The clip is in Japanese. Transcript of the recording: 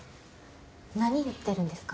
何言ってるんですか？